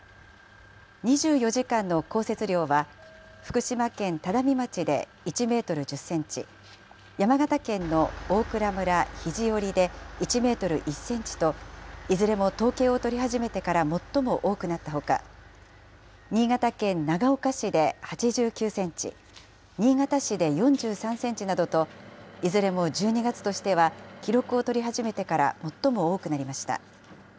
２４時間の降雪量は、福島県只見町で１メートル１０センチ、山形県の大蔵村肘折で１メートル１センチと、いずれも統計を取り始めてから最も多くなったほか、新潟県長岡市で８９センチ、新潟市で４３センチなどと、いずれも１２月としては記録を取り始めてから最も多くなりました。